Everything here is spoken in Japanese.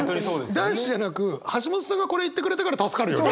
男子じゃなく橋本さんがこれ言ってくれたから助かるよね。